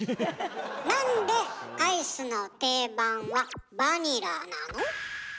なんでアイスの定番はバニラなの？